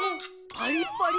パリッパリ。